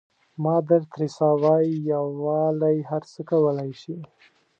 مادر تریسا وایي یووالی هر څه کولای شي.